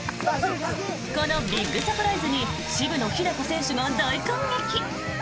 このビッグサプライズに渋野日向子選手が大感激！